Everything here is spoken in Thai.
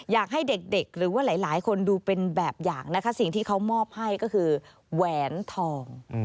อยากให้เด็กหรือว่าหลายคนดูเป็นแบบอย่างนะคะสิ่งที่เขามอบให้ก็คือแหวนทอง